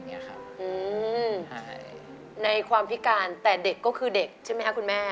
อืมในความพิการแต่เด็กก็คือเด็กใช่ไหมคะคุณแม่